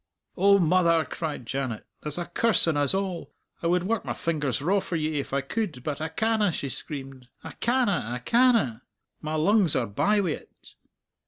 "O mother," cried Janet, "there's a curse on us all! I would work my fingers raw for ye if I could, but I canna," she screamed, "I canna, I canna! My lungs are bye wi't.